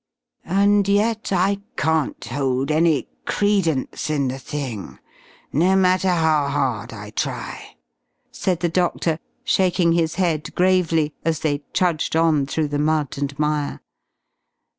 "And yet I can't hold any credence in the thing, no matter how hard I try!" said the doctor, shaking his head gravely, as they trudged on through the mud and mire.